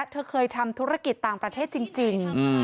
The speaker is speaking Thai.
เธอเคยทำธุรกิจต่างประเทศจริง